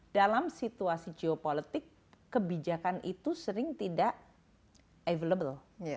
dalam situasi geopolitik kebijakan itu sering tidak available